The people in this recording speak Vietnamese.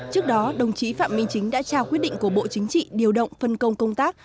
trước đó đồng chí phạm minh chính đã trao quyết định của bộ chính trị điều động phân công công tác